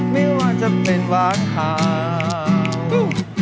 ไม่ว่าจะเป็นหวานข่าว